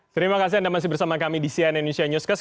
terima kasih anda masih bersama kami di cnn indonesia newscast